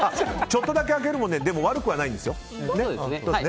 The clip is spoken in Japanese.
ちょっとだけ開けるも悪くはないですよ。